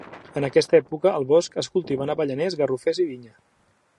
En aquesta època, al Bosc es cultiven avellaners, garrofers i vinya.